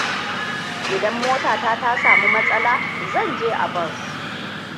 Idan motata ta sami matsala zan je a bus.